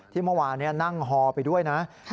ที่เมื่อวานนั่งฮอโกะไปด้วยนะนะฮะ